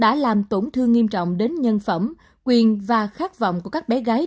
đã làm tổn thương nghiêm trọng đến nhân phẩm quyền và khát vọng của các bé gái